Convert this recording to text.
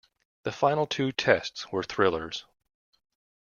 The final two Tests were thrillers.